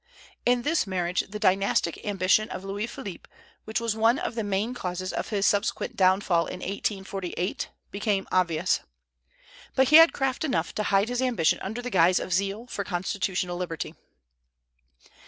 In this marriage the dynastic ambition of Louis Philippe, which was one of the main causes of his subsequent downfall in 1848, became obvious. But he had craft enough to hide his ambition under the guise of zeal for constitutional liberty.